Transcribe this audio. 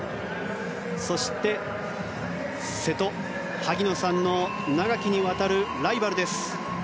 そして、瀬戸と萩野さんの長きにわたるライバルです。